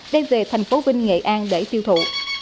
đem về thành phố vinh nghệ an để tiêu thụ